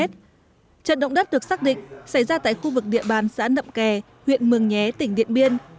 trận động đất được xác định xảy ra tại khu vực địa bàn xã nậm kè huyện mường nhé tỉnh điện biên